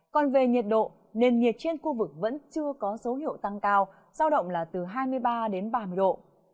còn về nhiệt độ nền nhiệt trên khu vực vẫn chưa có dấu hiệu tăng cao giao động là từ hai mươi ba đến ba mươi độ